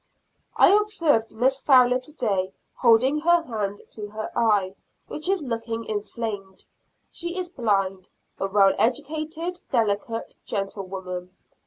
I observed Miss Fowler today holding her hand to her eye, which is looking inflamed; she is blind; a well educated, delicate, gentle woman.